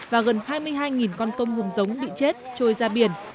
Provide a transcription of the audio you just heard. và gần hai mươi hai con tôm hùm giống bị chết trôi ra biển